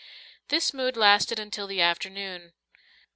This mood lasted until the afternoon.